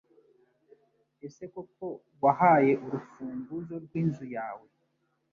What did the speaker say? Ese koko wahaye urufunguzo rwinzu yawe?